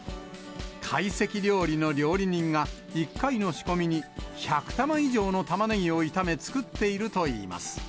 懐石料理の料理人が、１回の仕込みに１００玉以上のたまねぎを炒め、作っているといいます。